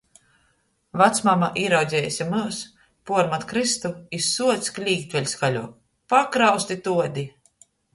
Vacmama, īraudzejuse myus, puormat krystu i suoc klīgt vēļ skaļuok: Pakrausti tuodi!